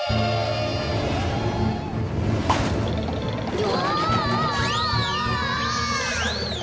うわ！